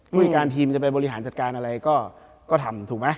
ผู้จัดการทีมจะไปบริหารจัดการอะไรก็ทำถูกไหม